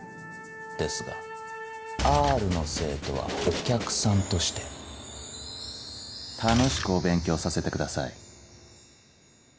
ですがＲの生徒はお客さんとして楽しくお勉強させてください。